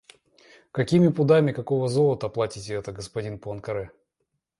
Какими пудами какого золота оплатите это, господин Пуанкаре?